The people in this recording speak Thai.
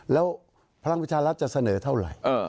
แล้วพลังประชารัฐจะเสนอเท่าไหร่